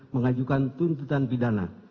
mengajukan tuntutan pidana